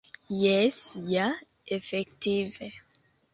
Jes ja, efektive.